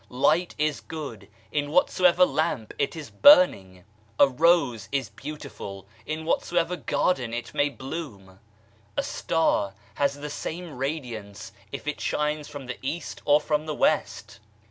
Light is good in whatsoever lamp it is burning ! A rose is beautiful in whatsoever garden it may bloom 1 A star has the same radiance if it shines from the East or from the West.